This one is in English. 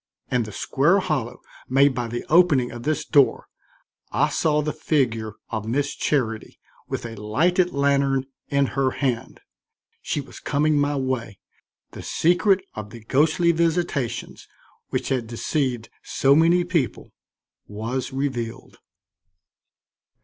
In the square hollow made by the opening of this door, I saw the figure of Miss Charity with a lighted lantern in her hand. She was coming my way, the secret of the ghostly visitations which had deceived so many people was revealed.